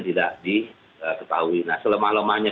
tidak diketahui nah selemah lemahnya